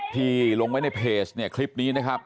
ที่ลงไว้ในเพจเนี่ยคลิปนี้นะครับ